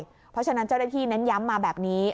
เพราะฉะนั้นเจ้าเรที่แนะนำมาแบบนี้